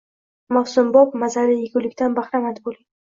Mavsumbop mazali yegulikdan bahramand bo‘ling